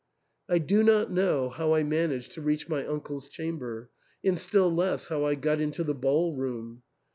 I do not know how I managed to reach my uncle's chamber, and still less how I got into the ball room.